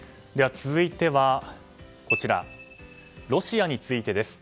続いてはロシアについてです。